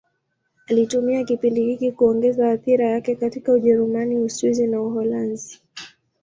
Alitumia kipindi hiki kuongeza athira yake katika Ujerumani, Uswisi na Uholanzi.